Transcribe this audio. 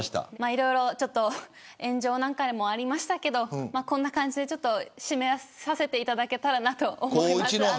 いろいろ炎上何回もありましたけどこんな感じで締めさせていただけたらなと。